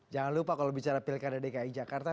jangan lupa kalau bicara pilih kedai dki jakarta